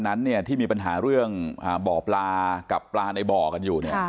พระนาทโธสุรเดชเนี่ยบอกว่าวันนั้นเนี่ย